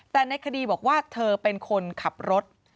แต่ในคดีบอกว่าเธอเป็นคนขับรถ